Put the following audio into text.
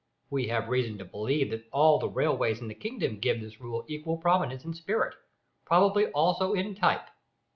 We have reason to believe that all the railways in the kingdom give this rule equal prominence in spirit probably also in type.